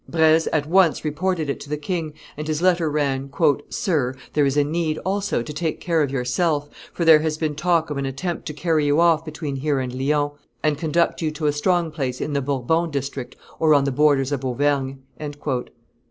Breze at once reported it to the king, and his letter ran: "Sir, there is need also to take care of yourself, for there has been talk of an attempt to carry you off between here and Lyons, and conduct you to a strong place in the Bourbon district or on the borders of Auvergne."